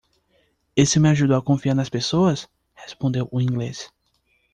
"Isso me ajudou a confiar nas pessoas?", respondeu o inglês.